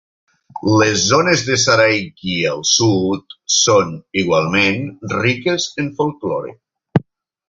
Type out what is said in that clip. Les zones de Saraiki al sud són igualment riques en folklore.